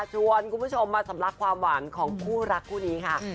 ชวนคุณผู้ชมมาสำลักความหวานของคู่รักคู่นี้ค่ะ